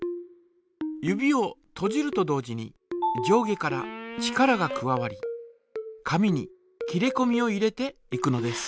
指をとじると同時に上下から力が加わり紙に切りこみを入れていくのです。